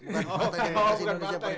bukan partai partai indonesia perjuangan